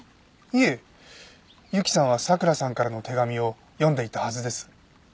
いえ由紀さんは佐倉さんからの手紙を読んでいたはずです。